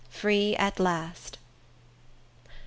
Free At Last. Mrs.